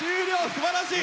すばらしい！